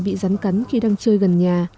bị rắn cắn khi đang chơi gần nhà